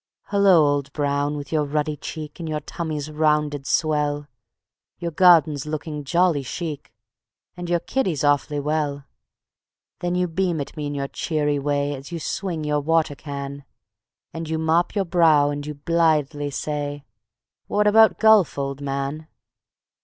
_ "Hullo, old Brown, with your ruddy cheek And your tummy's rounded swell, Your garden's looking jolly chic And your kiddies awf'ly well. Then you beam at me in your cheery way As you swing your water can; And you mop your brow and you blithely say: 'What about golf, old man?'